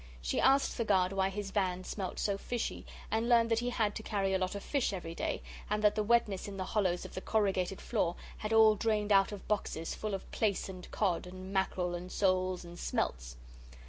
She asked the guard why his van smelt so fishy, and learned that he had to carry a lot of fish every day, and that the wetness in the hollows of the corrugated floor had all drained out of boxes full of plaice and cod and mackerel and soles and smelts.